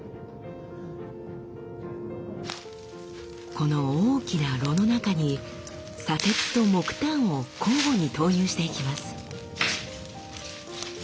この大きな炉の中に砂鉄と木炭を交互に投入していきます。